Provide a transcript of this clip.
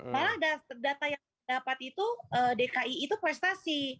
malah data yang dapat itu dki itu prestasi